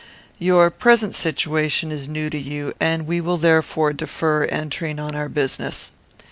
"Your present situation is new to you, and we will therefore defer entering on our business.